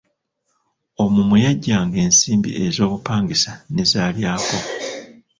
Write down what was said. Omwo mwe yaggyanga ensimbi ez’obupangisa ne z’alyako.